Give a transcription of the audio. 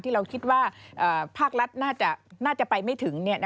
เราคิดว่าภาครัฐน่าจะไปไม่ถึง